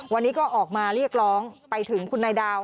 วันนี้ก็ออกมาเรียกร้องไปถึงคุณนายดาว